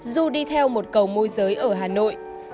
du đi theo một cầu môi giới ở hà nội